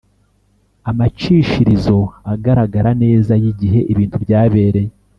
amacishirizo agaragara neza y’igihe ibintu byabereye.